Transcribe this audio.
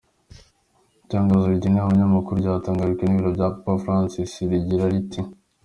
Itangazo rigenewe abanyamakuru ryatangajwe n'ibiro bya Papa Francis rigira riti:.